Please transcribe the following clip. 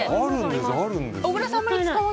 小倉さん